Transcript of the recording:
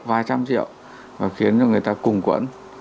vài trăm triệu và khiến cho người ta cùng quẫn